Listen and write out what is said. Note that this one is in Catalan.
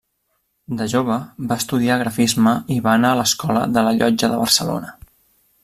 De jove va estudiar grafisme i va anar a l'Escola de la Llotja de Barcelona.